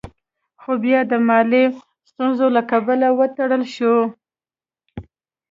خو بيا د مالي ستونزو له کبله وتړل شوه.